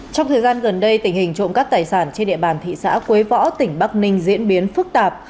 trong thời gian gần đây tình hình trộm cắp tài sản trên địa bàn thị xã quế võ tỉnh bắc ninh diễn biến phức tạp